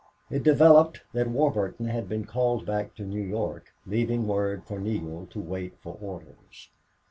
It developed that Warburton had been called back to New York, leaving word for Neale to wait for orders.